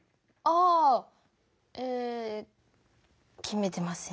あえ決めてません。